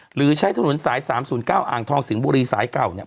หรือใช้ถนนสาย๓๐๙อ่างทองสิงห์บุรีสายเก่าเนี่ย